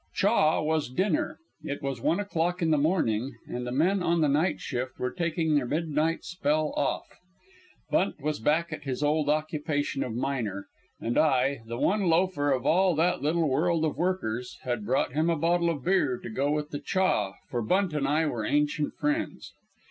"Chaw" was dinner. It was one o'clock in the morning, and the men on the night shift were taking their midnight spell off. Bunt was back at his old occupation of miner, and I the one loafer of all that little world of workers had brought him a bottle of beer to go with the "chaw"; for Bunt and I were ancient friends.